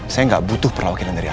saya gak butuh perawakilan dari anda